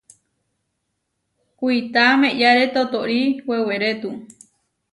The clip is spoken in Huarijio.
Kuitá meʼyáre totóri wewerétu.